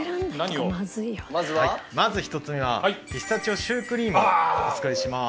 まず１つ目はピスタチオシュークリームをお作りします。